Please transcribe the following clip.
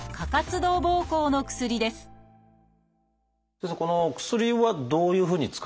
先生この薬はどういうふうに使い分けるんですか？